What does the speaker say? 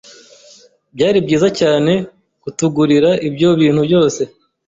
Byari byiza cyane kutugurira ibyo bintu byose.